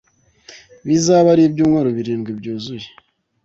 bizabe ari ibyumweru birindwi byuzuye